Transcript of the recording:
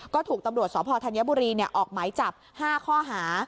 ก็ถูกตำรวจสพธัญบุรีออกหมายจับ๕ข้อหา